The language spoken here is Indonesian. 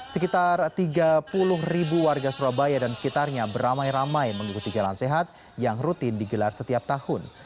sekitar tiga puluh ribu warga surabaya dan sekitarnya beramai ramai mengikuti jalan sehat yang rutin digelar setiap tahun